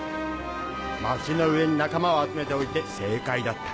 街の上に仲間を集めておいて正解だった。